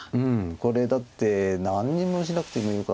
これだって何にもしなくてもよかったのに。